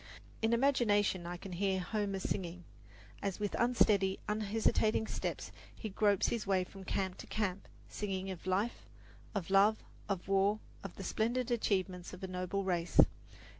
In imagination I can hear Homer singing, as with unsteady, hesitating steps he gropes his way from camp to camp singing of life, of love, of war, of the splendid achievements of a noble race.